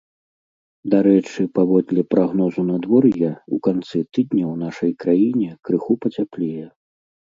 Дарэчы, паводле прагнозу надвор'я, у канцы тыдня ў нашай краіне крыху пацяплее.